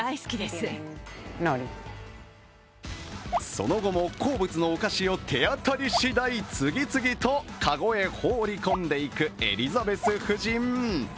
その後も好物のお菓子を手当たり次第次々と籠へ放り込んでいくエリザベス夫人。